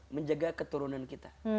menjaga keturunan kita